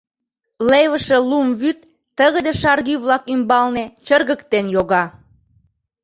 Левыше лум вӱд тыгыде шаргӱ-влак ӱмбалне чыргыктен йога.